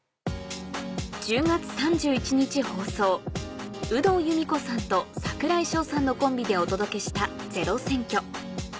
１０月３１日放送有働由美子さんと櫻井翔さんのコンビでお届けした『ｚｅｒｏ選挙』